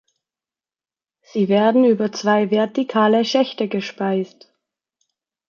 Sie werden über zwei vertikale Schächte gespeist.